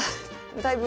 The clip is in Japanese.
だいぶ。